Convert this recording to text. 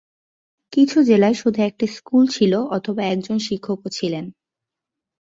কিছু জেলায় শুধু একটা স্কুল ছিল অথবা একজন শিক্ষকও ছিলেন।